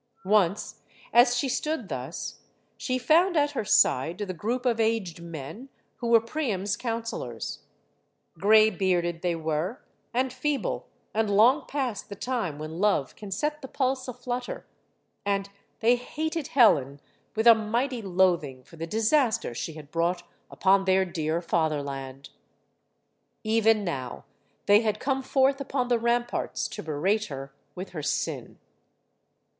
Once, as she stood thus, she found at her side the group of aged men who were Priam's counselors. Gray bearded they were, and feeble, and long past the time when love can set the pulse a flutter, and they hated Helen with a mighty loathing for the dis aster she had brought upon their dear fatherland. Even now, they had come forth upon the ramparts to berate her with her sin.